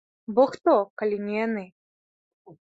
Бо хто, калі не яны?